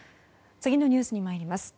次のニュースにまいります。